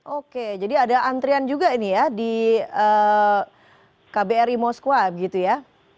oke jadi ada antrian juga ini ya di kbri moskwa gitu ya